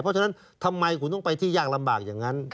เพราะฉะนั้นทำไมคุณต้องไปที่ยากลำบากอย่างนั้น